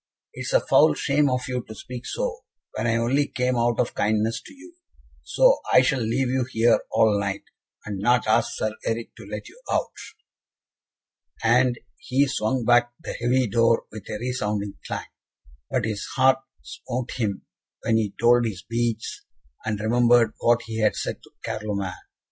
"It is a foul shame of you to speak so, when I only came out of kindness to you so I shall leave you here all night, and not ask Sir Eric to let you out." And he swung back the heavy door with a resounding clang. But his heart smote him when he told his beads, and remembered what he had said to Carloman.